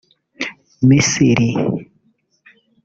Misiri